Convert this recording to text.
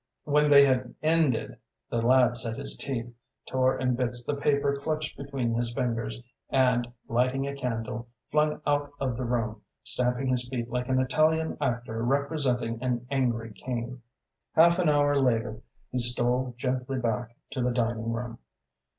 When they had ended the lad set his teeth, tore in bits the paper clutched between his fingers, and, lighting a candle, flung out of the room, stamping his feet like an Italian actor representing an angry king. Half an hour later he stole gently back to the dining room.